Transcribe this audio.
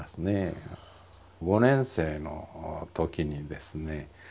５年生のときにですね